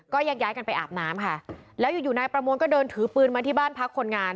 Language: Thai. ก็แยกย้ายกันไปอาบน้ำค่ะแล้วอยู่อยู่นายประมวลก็เดินถือปืนมาที่บ้านพักคนงาน